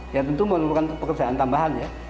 ya tentu memerlukan pekerjaan tambahan ya